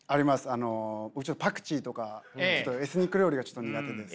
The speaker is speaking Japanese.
あのパクチーとかエスニック料理がちょっと苦手です。